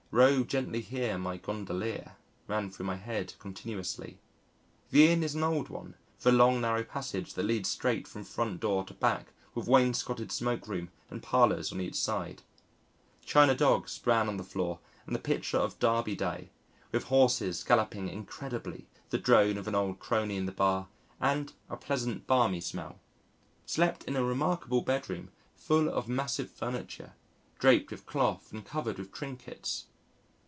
"Row gently here, my Gondolier," ran through my head continuously. The Inn is an old one with a long narrow passage that leads straight from front door to back with wainscoted smoke room and parlours on each side. China dogs, bran on the floor, and the picture of Derby Day with horses galloping incredibly, the drone of an old crony in the bar, and a pleasant barmy smell. Slept in a remarkable bedroom full of massive furniture, draped with cloth and covered with trinkets.